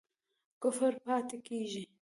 کفر پاتی کیږي؟